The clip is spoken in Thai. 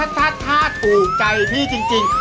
ถ้าถูกใจพี่จริง